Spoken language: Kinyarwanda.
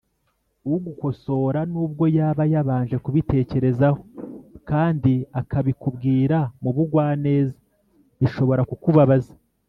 Ugukosora nubwo yaba yabanje kubitekerezaho kandi akabikubwira mu bugwaneza bishobora kukubabaza